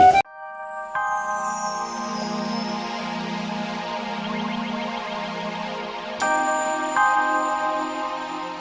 ya udah abah ngelakuin kebun kebunan